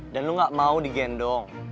dan lo gak mau digendong